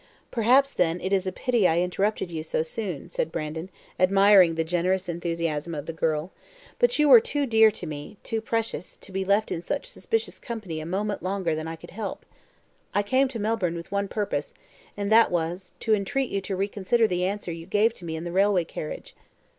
"Perhaps, then, it is a pity I interrupted you so soon," said Brandon, admiring the generous enthusiasm of the girl; "but you were too dear to me, too precious, to be left in such suspicious company a moment longer than I could help. I came to Melbourne with one purpose and that was, to entreat you to reconsider the answer you gave to me in the railway carriage."